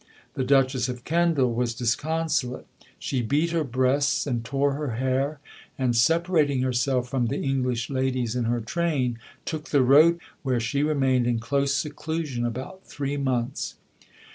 The Duchess of Kendal was disconsolate. "She beat her breasts and tore her hair, and, separating herself from the English ladies in her train, took the road to Brunswick, where she remained in close seclusion about three months."